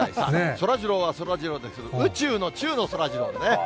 そらジローはそらジローですけど、宇宙の宙の宙ジローね。